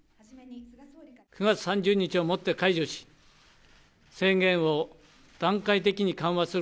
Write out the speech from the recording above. ９月３０日をもって解除し、宣言を段階的に緩和する。